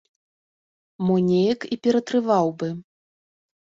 Мо неяк і ператрываў бы.